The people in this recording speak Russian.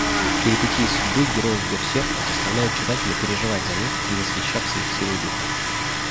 Перипетии судьбы героев Берсерка заставляют читателя переживать за них и восхищаться их силой духа.